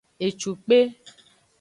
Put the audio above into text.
Ecukpe.